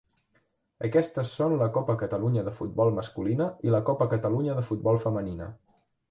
Aquestes són la Copa Catalunya de futbol masculina i la Copa Catalunya de futbol femenina.